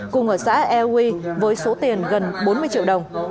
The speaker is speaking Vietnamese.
cùng ở xã e hà leo với số tiền gần bốn mươi triệu đồng